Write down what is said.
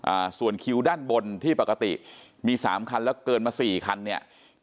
อ่าส่วนคิวด้านบนที่ปกติมีสามคันแล้วเกินมาสี่คันเนี้ย